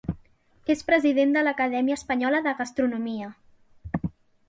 És president de l’Acadèmia Espanyola de Gastronomia.